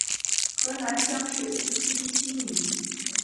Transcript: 河南乡试第七十七名。